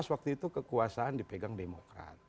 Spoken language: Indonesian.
dua ribu dua belas waktu itu kekuasaan dipegang demokrat